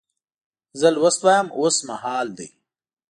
زه لوست وایم اوس مهال دی.